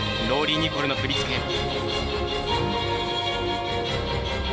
ローリー・ニコルの振り付け。